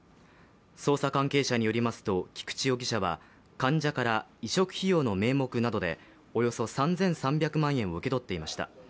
捜査関係者によりますと、菊池容疑者は患者から移植費用の名目などでおよそ３３００万円を受け取っていました。